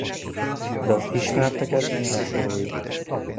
De az ismerteket felsoroljuk.